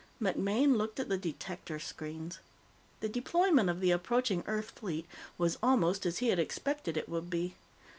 MacMaine looked at the detector screens. The deployment of the approaching Earth fleet was almost as he had expected it would be.